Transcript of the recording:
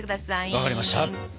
分かりました。